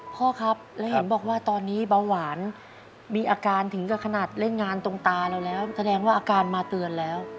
พ่อครับแล้วเห็นบอกว่าตอนนี้เบาหวานมีอาการถึงกับขนาดเล่นงานตรงตาเราแล้วแสดงว่าอาการมาเตือนแล้ว